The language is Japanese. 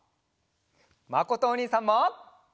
まことおにいさんも！